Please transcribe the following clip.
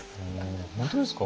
本当ですか？